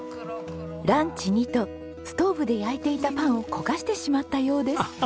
ランチにとストーブで焼いていたパンを焦がしてしまったようです。